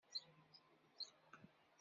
Tellam temmehmhem.